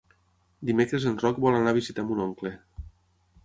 Dimecres en Roc vol anar a visitar mon oncle.